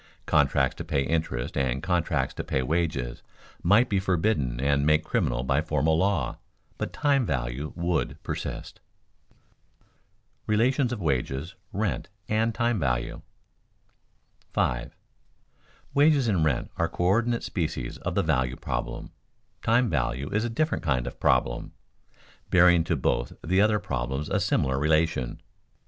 Contracts to pay interest and contracts to pay wages might be forbidden and made criminal by formal law, but time value would persist. [Sidenote: Relations of wages, rent, and time value] 5. _Wages and rent are coördinate species of the value problem; time value is a different kind of problem, bearing to both the other problems a similar relation.